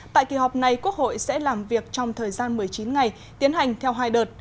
tại kỳ họp này quốc hội sẽ làm việc trong thời gian một mươi chín ngày tiến hành theo hai đợt